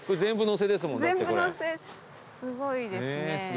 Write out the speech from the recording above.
すごいですね。